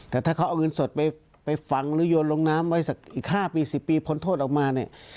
แต่ถ้าเขาเอาเงินสดไปฝังหรือโยนลงน้ำไว้สักอีก๕ปี๑๐ปีพ้นโทษออกมาเนี่ย